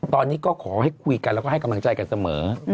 ตอนนี้ก็ขอให้คุยกันแล้วก็ให้กำลังใจกันเสมอ